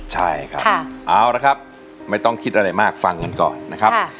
ใช่ครับเอาละครับไม่ต้องคิดอะไรมากฟังกันก่อนนะครับ